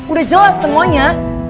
udah jelas semuanya